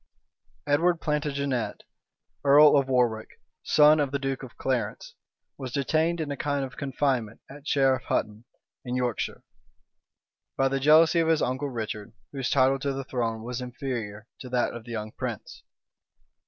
Edward Plantagenet, earl of Warwick, son of the duke of Clarence, was detained in a kind of confinement at Sherif Hutton, in Yorkshire, by the jealousy of his uncle Richard, whose title to the throne was inferior to that of the young prince.